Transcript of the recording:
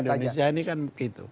indonesia ini kan begitu